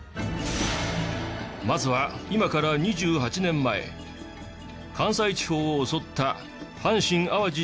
まずは今から２８年前関西地方を襲った阪神・淡路大震災。